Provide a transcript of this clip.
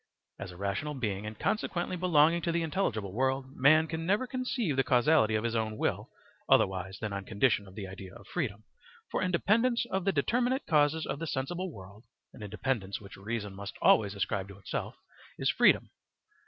As a rational being, and consequently belonging to the intelligible world, man can never conceive the causality of his own will otherwise than on condition of the idea of freedom, for independence of the determinate causes of the sensible world (an independence which reason must always ascribe to itself) is freedom.